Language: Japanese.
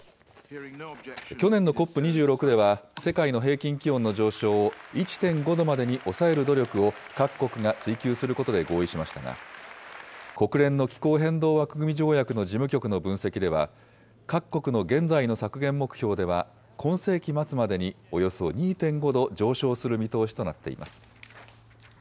去年のＣＯＰ２６では、世界の平均気温の上昇を１．５度までに抑える努力を、各国が追求することで合意しましたが、国連の気候変動枠組み条約の事務局の分析では、各国の現在の削減目標では、今世紀末までにおよそ２．５度上昇する見通しとなっています。